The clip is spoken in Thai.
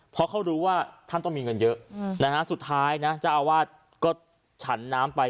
เพราะเขารู้ว่าท่านต้องมีเงินเยอะนะฮะสุดท้ายนะเจ้าอาวาสก็ฉันน้ำไป